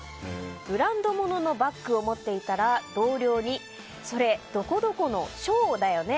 ブランド物のバッグを持っていたら同僚に、それどこどこの小だよね。